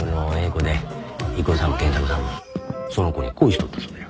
子で郁夫さんも賢作さんもその子に恋しとったそうや。